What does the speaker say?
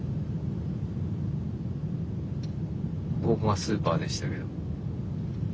ここがスーパーでしたけど。